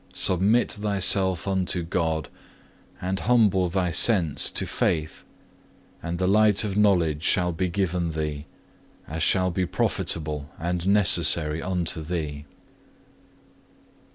Submit thyself unto God, and humble thy sense to faith, and the light of knowledge shall be given thee, as shall be profitable and necessary unto thee.